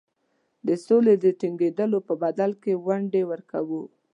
د سولي د ټینګېدلو په بدل کې ونډې ورکوو.